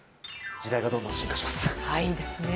時代がどんどん進化しますね。